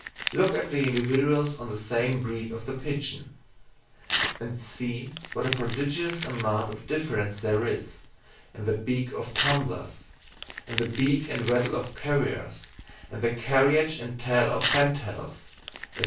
Look at the individuals of the same breed of the pigeon; and see what a prodigious amount of difference there is in the beak of tumblers, in the beak and wattle of carriers, in the carriage and tail of fantails, &c.